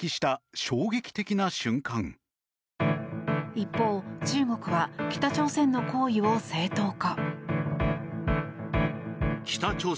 一方、中国は北朝鮮の行為を正当化。